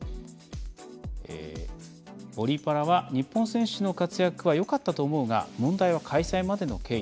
オリパラは日本選手の活躍はよかったと思うが問題は開催までの経緯。